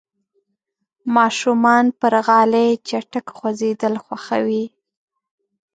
ماشومان پر غالۍ چټک خوځېدل خوښوي.